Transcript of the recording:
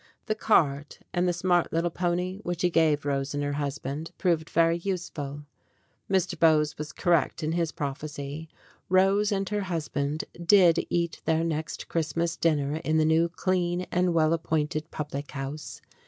The cart and the smart little pony which he gave Rose and her husband proved very useful. Mr. Bowes was correct in his prophecy. Rose and her husband did eat their next Christmas dinner in the new, clean, and well appointed public house.